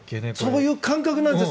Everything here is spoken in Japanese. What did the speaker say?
そういう感覚なんです。